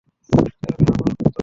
তাহলে আমার মত?